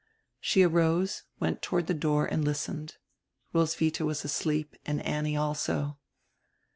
She arose, went toward the door, and listened. Roswitha was asleep and Annie also.